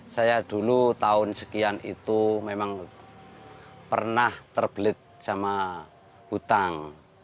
saya dulu tahun sekian itu memang pernah terbelit sama hutang